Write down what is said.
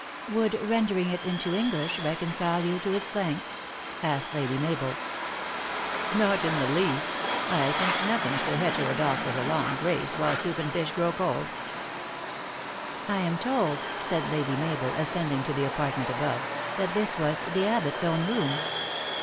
" Would rendering it into English reconcile you to its length?" asked Lady Mabel. 28 THE ACTRESS IN HIGH LIFE. " Not in the least. I think nothing so heterodox as a long grace, while soup and fish grow cold." "I am told," said Lady Mabel, ascending to the apartment above, " that this was the abbot s own room."